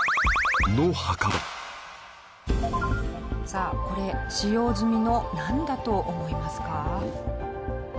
さあこれ使用済みのなんだと思いますか？